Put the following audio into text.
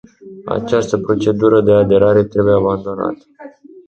Această procedură de aderare trebuie abandonată.